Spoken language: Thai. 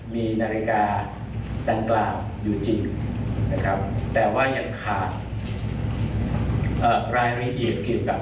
มีนาฬิกาดังกล่าวอยู่จริงนะครับ